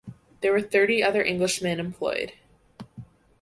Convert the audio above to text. There were thirty other Englishman employed.